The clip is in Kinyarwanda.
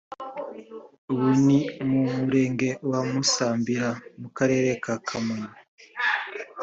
ubu ni mu Murenge wa Musambira muKarere ka Kamonyi